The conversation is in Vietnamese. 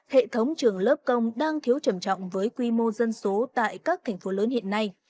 hệ thống trường lớp công đang thiếu trầm trọng với quy mô dân số tại các thành phố lớn hiện nay